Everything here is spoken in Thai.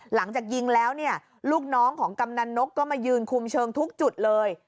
หลังจากยิงแล้วเนี่ยลูกน้องของกำนันนกก็มายืนคุมเชิงทุกจุดเลย